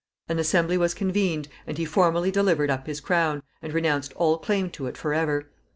An assembly was convened, and he formally delivered up his crown, and renounced all claim to it forever.